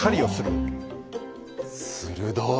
鋭い。